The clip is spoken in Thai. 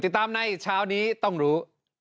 ติดตามในเช้านี้ต้องรู้